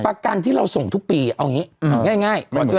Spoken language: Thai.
ประกันที่เราส่งทุกปีเอาอย่างนี้ง่าย